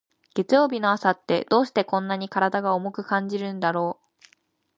月曜日の朝って、どうしてこんなに体が重く感じるんだろう。